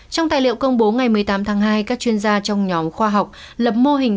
trong tài liệu công bố ngày một mươi tám tháng hai các chuyên gia trong nhóm khoa học lập mô hình